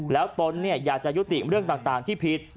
แล้วตนอยากจะยุติเรื่องต่างที่ผิด